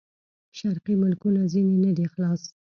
شرقي ملکونه ځنې نه دي خلاص.